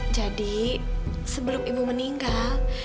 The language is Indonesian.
jadi sebelum ibu meninggal